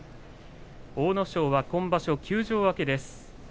阿武咲は今場所休場明けです。